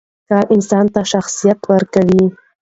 کار انسان ته شخصیت ورکوي.